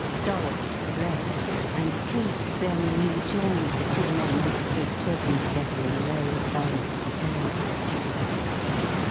Dollops left, and Cleek then rejoined the two men who stood talking together in low, earnest tones.